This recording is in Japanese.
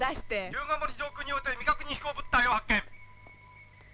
「竜ヶ森上空において未確認飛行物体を発見」。